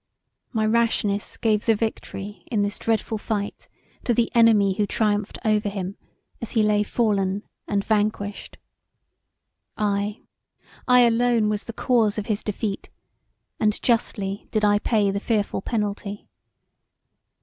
My rashness gave the victory in this dreadful fight to the enemy who triumphed over him as he lay fallen and vanquished. I! I alone was the cause of his defeat and justly did I pay the fearful penalty.